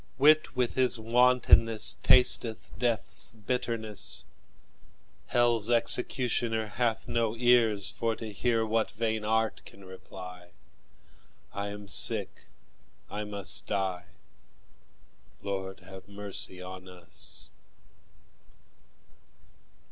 Wit with his wantonness Tasteth death's bitterness; Hell's executioner Hath no ears for to hear What vain art can reply; I am sick, I must die Lord, have mercy on us!